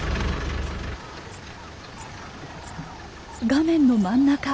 画面の真ん中。